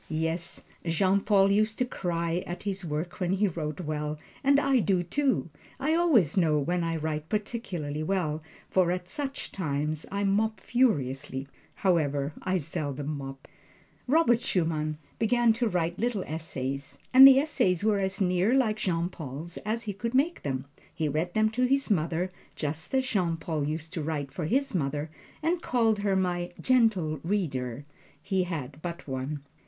Yes, Jean Paul used to cry at his work when he wrote well, and I do, too. I always know when I write particularly well, for at such times I mop furiously. However, I seldom mop. Robert Schumann began to write little essays, and the essays were as near like Jean Paul's as he could make them. He read them to his mother, just as Jean Paul used to write for his mother and call her "my Gentle Reader" he had but one.